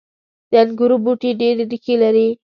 • د انګورو بوټي ډیرې ریښې لري.